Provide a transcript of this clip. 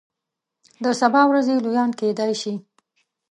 د سبا ورځې لویان کیدای شي.